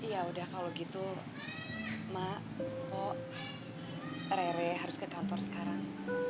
ya udah kalau gitu mak kok rere harus ke kantor sekarang